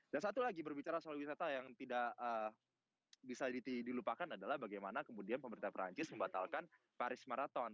satu lagi berbicara soal wisata yang tidak bisa dilupakan adalah bagaimana kemudian pemerintah perancis membatalkan paris marathon